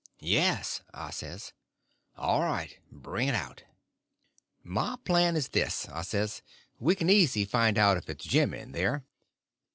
"Yes," I says. "All right—bring it out." "My plan is this," I says. "We can easy find out if it's Jim in there.